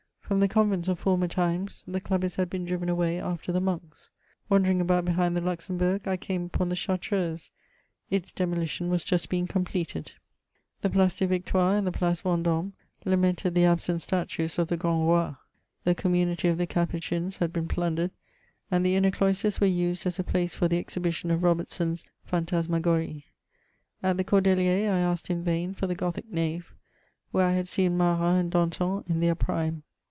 From the convents of former times, the clubbists had been driven away after the monks. Wandering about behind the Luxembourg, I came upon the Chartreuse ; its demolition was just being completed. 454 MEMoms OF The JPIace des Victoires and the IHace Vendome lamented the absent statues of the grand rot ; the commnnity of the Capuchins had been plundered, and the inner cloisters were used as a place for the exhibition of Robertson's fanttuma gorie. At the Cordeliers, I asked in vain for the Gothic nave, where I had seen Marat and Danton in their prime.